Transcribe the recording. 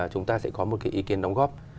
chúng ta sẽ có một ý kiến đóng góp